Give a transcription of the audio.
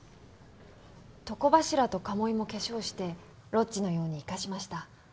床柱とかもいも化粧してロッジのように生かしました。